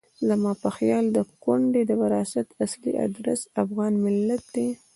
زما په خیال د کونډې د وراثت اصلي ادرس افغان ملت دی.